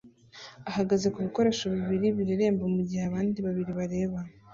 ahagaze kubikoresho bibiri bireremba mugihe abandi babiri bareba